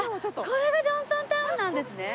これがジョンソンタウンなんですね。